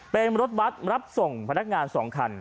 เป็นรถบัตรรับส่งพนักงาน๒คัน